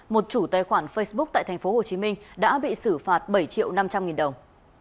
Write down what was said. một chủ tài khoản facebook tại tp hcm đã bị xử phạt bảy triệu năm trăm linh nghìn đồng